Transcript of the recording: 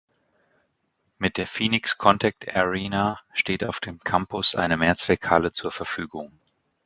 Mit der Phoenix Contact Arena steht auf dem Campus eine Mehrzweckhalle zur Verfügung.